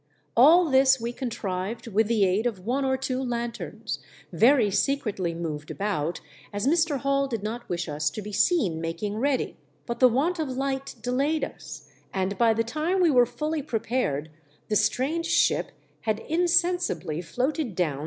All this we contrived with the aid of one or two lanthorns, very secretly moved about, as Mr. Hall did not wish us to be seen making ready ; but the want of light delayed us, and, by the time we were fully prepared, the strange ship had insensibly floated down WE DRAW CLOSE TO A STRANGE SHIP.